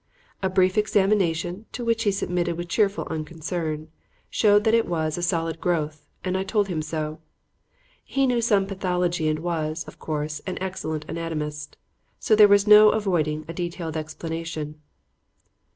A brief examination, to which he submitted with cheerful unconcern, showed that it was a solid growth, and I told him so. He knew some pathology and was, of course, an excellent anatomist, so there was no avoiding a detailed explanation.